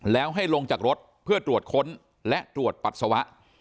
แล้วให้ลงจากรถเพื่อตรวจค้นและตรวจปัสสาวะ